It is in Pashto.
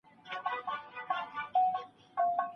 تمرکز یوازي پر خپلو موخو ساتل ښه دي.